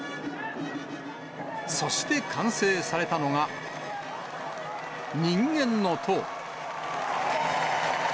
そして完成されたのが、人間の塔。